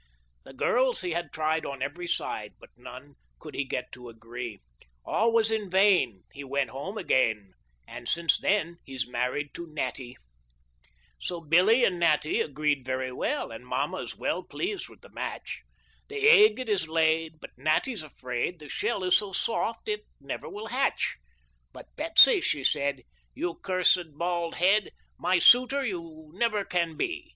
The girls he had tried on every side. But none could he get to agree ; All was in vain, he went home again, And since that he's married to Natty. So Billy and Natty agreed very well, And mamma's well pleased with the match. The egg it is laid, but Natty's afraid The shell is so soft it never will hatch, But Betsy, she said, ' You cursed bald head, My suitor you never can be.